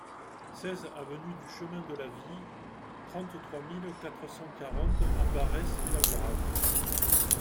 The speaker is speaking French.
seize avenue du Chemin de la Vie, trente-trois mille quatre cent quarante Ambarès-et-Lagrave